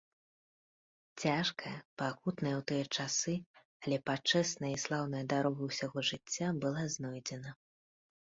Цяжкая, пакутная ў тыя часы, але пачэсная і слаўная дарога ўсяго жыцця была знойдзена.